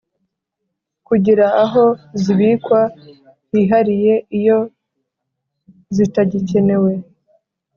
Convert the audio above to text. kugira aho zibikwa hihariye iyo zitagikenewe